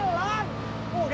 mau nyari duit